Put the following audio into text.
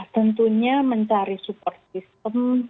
tentunya mencari support system